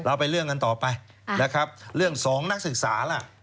เราไปเรื่องกันต่อไปแล้วครับเรื่อง๒นักศึกษาล่ะ